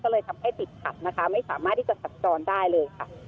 ก็เลยทำให้ติดขัดนะคะไม่สามารถที่จะสัญจรได้เลยค่ะ